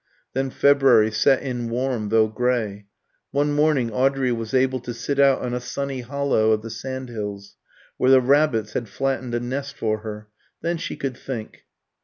Then February set in warm though grey. One morning Audrey was able to sit out in a sunny hollow of the sand hills, where the rabbits had flattened a nest for her. Then she could think.